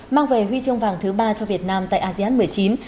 mang về huy chương vàng thứ ba cho việt nam tại asean một mươi chín